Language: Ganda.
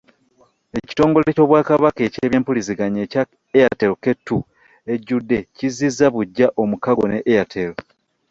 Ekitongole ky'Obwakabaka eky'ebyempuliziganya ekya Airtel K two ejjudde kizzizza buggya Omukago ne Airtel